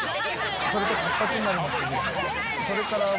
それと活発になりましてね。